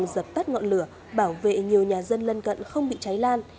dập tắt ngọn lửa bảo vệ nhiều nhà dân lân cận không bị cháy lan